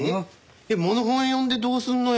えっモノホン呼んでどうするのよ。